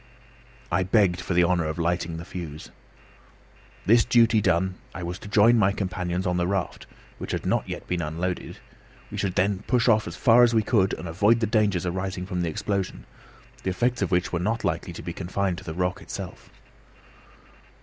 I begged for the honour of lighting the fuse. This duty done, I was to join my companions on the raft, which had not yet been unloaded; we should then push off as far as we could and avoid the dangers arising from the explosion, the effects of which were not likely to be confined to the rock itself.